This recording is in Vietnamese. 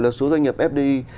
là số doanh nghiệp fdi